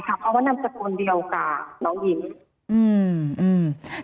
เพราะว่านำจะคุณเดียวกับน้องอิน